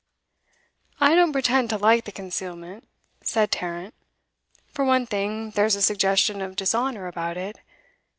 'I don't pretend to like the concealment,' said Tarrant. 'For one thing, there's a suggestion of dishonour about it.